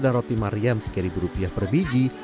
dan roti mariam tiga rupiah per biji